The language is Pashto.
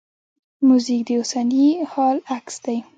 موزیک د اوسني حال عکس دی.